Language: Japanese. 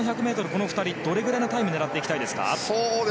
この２人、どれぐらいのタイム狙っていきたいですか？